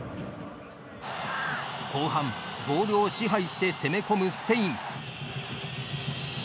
後半、ボールを支配して攻め込むスペイン。